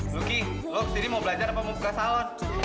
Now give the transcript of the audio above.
lucky lo kesini mau belajar apa mau buka salon